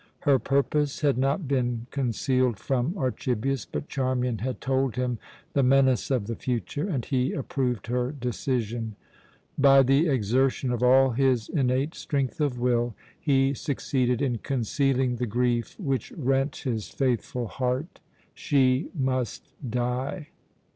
Her purpose had not been concealed from Archibius, but Charmian had told him the menace of the future, and he approved her decision. By the exertion of all his innate strength of will, he succeeded in concealing the grief which rent his faithful heart. She must die.